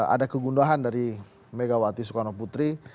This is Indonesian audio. ada kegundahan dari mega wati soekarno putri